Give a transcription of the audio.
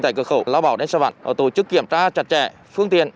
tại cửa khẩu lão bảo đến xa vạn tổ chức kiểm tra chặt chẽ phương tiện